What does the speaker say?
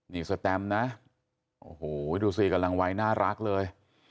นี่สแตมนะโอ้โหดูสิกำลังวัยน่ารักเลย